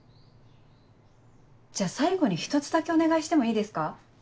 じゃ最後に一つだけお願いしてもいいですか？